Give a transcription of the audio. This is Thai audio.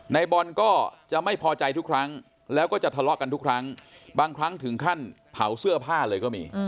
ในบอลก็จะไม่พอใจทุกครั้งแล้วก็จะทะเลาะกันทุกครั้งบางครั้งถึงขั้นเผาเสื้อผ้าเลยก็มี